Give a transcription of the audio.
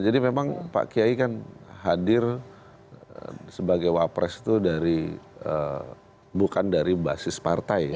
jadi memang pak kiai kan hadir sebagai wapres itu dari bukan dari basis partai